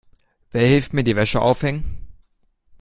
Wer hilft mir die Wäsche aufhängen?